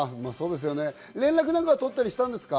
連絡なんか取ったりしたんですか？